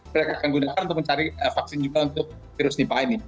mereka akan gunakan untuk mencari vaksin juga untuk virus nipah ini